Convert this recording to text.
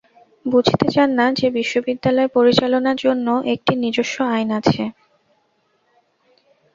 বুঝতে চান না যে বিশ্ববিদ্যালয় পরিচালনার জন্য একটি নিজস্ব আইন আছে।